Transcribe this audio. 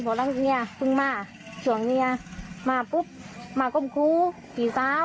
ผู้หลังเนี้ยเพิ่งมาส่วนเนี้ยมาปุ๊บมาก้มครูปีเช้า